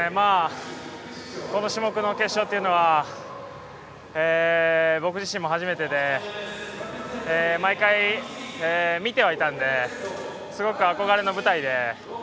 この種目の決勝というのは僕自身も初めてで、毎回見てはいたのですごく憧れの舞台で。